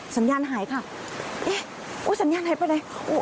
สัญญาณหายค่ะเอ๊ะสัญญาณหายไปไหน